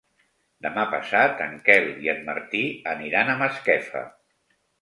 Demà passat en Quel i en Martí aniran a Masquefa.